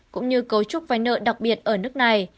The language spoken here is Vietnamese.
cũng như cấu trúc vai nợ đặc biệt ở nước này